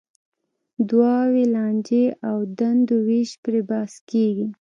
دعاوې، لانجې او دندو وېش پرې بحث کېږي.